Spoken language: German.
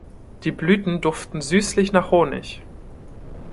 Die Blüten duften süßlich nach Honig.